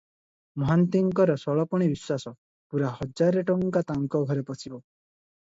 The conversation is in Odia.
ମହାନ୍ତିଙ୍କର ଷୋଳପଣି ବିଶ୍ୱାସ, ପୂରା ହଜାରେ ଟଙ୍କା ତାଙ୍କ ଘରେ ପଶିବ ।